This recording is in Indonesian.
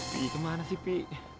pi kemana sih pi